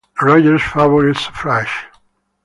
Rogers favored suffrage.